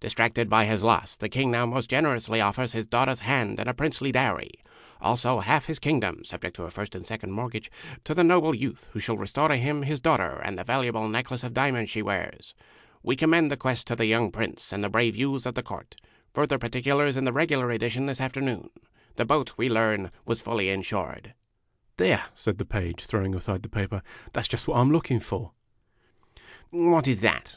Distracted by his loss, the King now most generously offers his daughter's hand and a princely dowry, also half his Kingdom (subject to a first and second mortgage), to the noble youth who shall restore to him his daughter and the valuable necklace of diamonds she wears. We commend the quest to the young Prince and the brave youths of his court. Further particulars in the regular edition this afternoon. The boat, we learn, was fully insured. "There!' said the Page, throwing aside the paper. "That 's just what I 'm looking for !"" What is that?